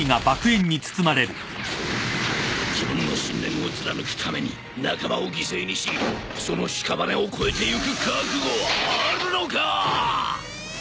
自分の信念を貫くために仲間を犠牲にしそのしかばねを越えていく覚悟はあるのか？